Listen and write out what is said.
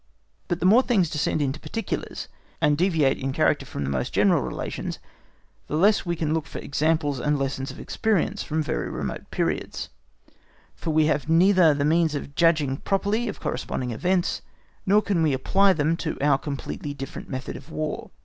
But the more things descend into particulars and deviate in character from the most general relations, the less we can look for examples and lessons of experience from very remote periods, for we have neither the means of judging properly of corresponding events, nor can we apply them to our completely different method of War.